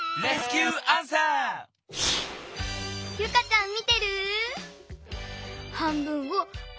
ユカちゃん見てる？